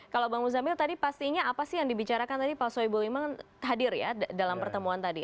kalau bang muzamil tadi pastinya apa sih yang dibicarakan tadi pak soebul iman hadir ya dalam pertemuan tadi